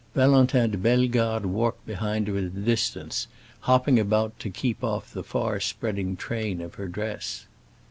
Valentin de Bellegarde walked behind her at a distance, hopping about to keep off the far spreading train of her dress.